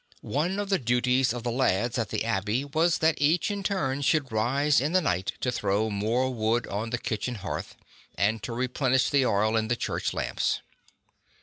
One of the duties of the lads at the abbey was that each in turn should rise in the night to throw more wood on the kitchen hearth, and to replenish the oil in the church lamps.